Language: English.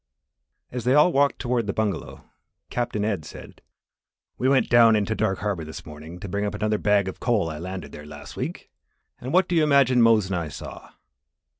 As they all walked toward the bungalow, Captain Ed said: "We went down into Dark Harbour this morning to bring up another bag of the coal I landed there last week, and what do you imagine Mose and I saw?"